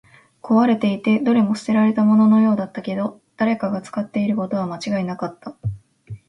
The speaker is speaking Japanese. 壊れていて、どれも捨てられたもののようだったけど、誰かが使っていることは間違いなかった